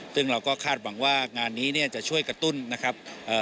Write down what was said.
ซึ่งเราก็คาดหวังว่างานนี้จะช่วยกระตุ้นนะครับ